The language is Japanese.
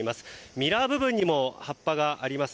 ミラー部分にも葉っぱがあります。